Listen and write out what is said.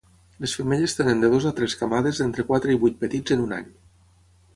Les femelles tenen de dues a tres camades d'entre quatre i vuit petits en un any.